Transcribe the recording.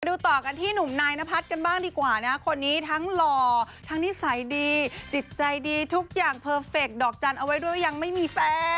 ดูต่อกันที่หนุ่มนายนพัฒน์กันบ้างดีกว่านะคนนี้ทั้งหล่อทั้งนิสัยดีจิตใจดีทุกอย่างเพอร์เฟคดอกจันทร์เอาไว้ด้วยยังไม่มีแฟน